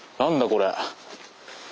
これ。